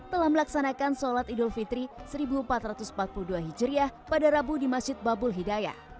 telah melaksanakan sholat idul fitri seribu empat ratus empat puluh dua hijriah pada rabu di masjid babul hidayah